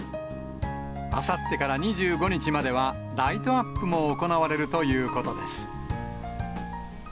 あさってから２５日までは、ライトアップも行われるということです。